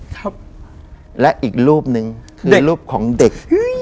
ครับและอีกรูปหนึ่งคือรูปของเด็ก